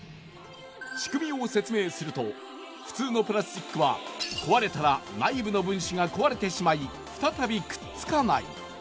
仕組みを説明すると普通のプラスチックは壊れたら内部の分子が壊れてしまい再びくっつかない。